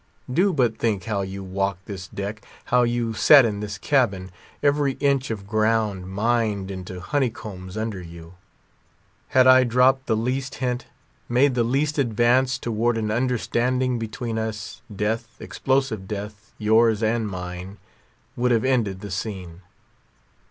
Do but think how you walked this deck, how you sat in this cabin, every inch of ground mined into honey combs under you. Had I dropped the least hint, made the least advance towards an understanding between us, death, explosive death—yours as mine—would have ended the scene."